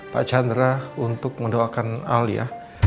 pak chandra untuk mendoakan al ya